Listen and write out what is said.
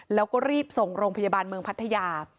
แล้วก็รีบส่งโรงพยาบาลเมืองพัทยา